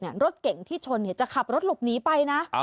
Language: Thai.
รถเก่งที่ชนจะขับรถหลบหนีไปนะ